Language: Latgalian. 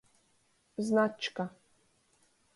Značka.